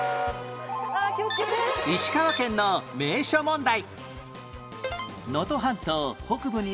石川県の名所問題